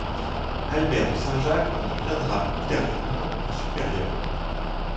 Albert de Saint-Jacques en deviendra ultérieurement le supérieur.